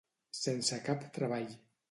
Sense cap treball.